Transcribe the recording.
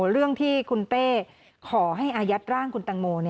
เรื่องที่คุณเต้ขอให้อายัดร่างคุณตังโม